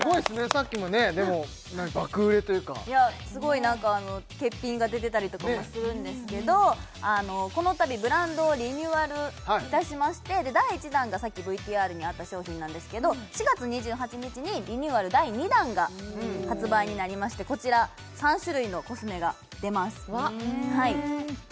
さっきもねでも爆売れというかいやすごい何か欠品が出てたりとかもするんですけどこのたびブランドをリニューアルいたしまして第１弾がさっきＶＴＲにあった商品なんですけど４月２８日にリニューアル第２弾が発売になりましてこちら３種類のコスメが出ます